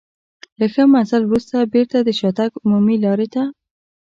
له ښه مزل وروسته بېرته د شاتګ عمومي لارې ته.